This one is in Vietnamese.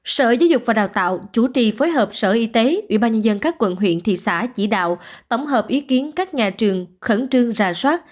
sở giáo dục và đào tạo chủ trì phối hợp sở y tế ubnd các quận huyện thị xã chỉ đạo tổng hợp ý kiến các nhà trường khẩn trương rà soát